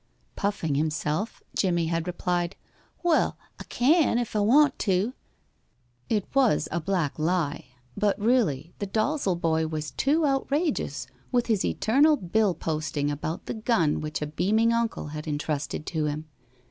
Puffing himself, Jimmie had replied, "Well, I can, if I want to." It was a black lie, but really the Dalzel boy was too outrageous with his eternal bill posting about the gun which a beaming uncle had intrusted to him.